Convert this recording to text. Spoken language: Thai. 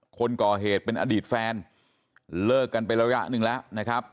คนก่อเหตุเป็นอดีตแฟนเลิกกันไประยะหนึ่งแล้วนะครับ